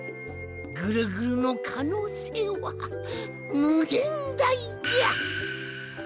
ぐるぐるのかのうせいはむげんだいじゃ！